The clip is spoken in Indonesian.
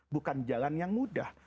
bukan jalan yang mudah